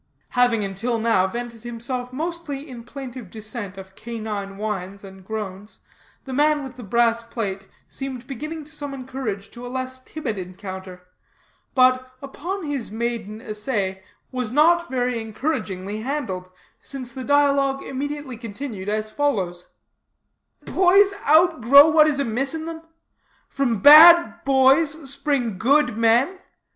Having until now vented himself mostly in plaintive dissent of canine whines and groans, the man with the brass plate seemed beginning to summon courage to a less timid encounter. But, upon his maiden essay, was not very encouragingly handled, since the dialogue immediately continued as follows: "Boys outgrow what is amiss in them? From bad boys spring good men?